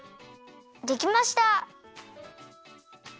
できました！